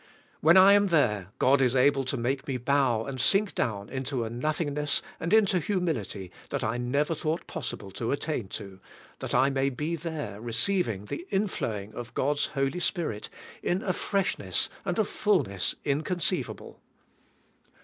When I am there God is able to make me bow and sink down into a nothingness and into humility that I never thought possible to attain to, that I may be there receiving the inflowing of God's Holy Spirit in a freshness and a fullness inconceivable.